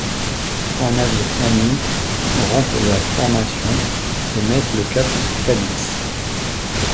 Trois navires ennemis rompent la formation et mettent le cap pour Cadix.